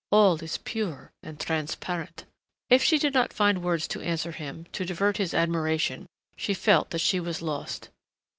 All is pure and transparent " If she did not find words to answer him, to divert his admiration, she felt that she was lost.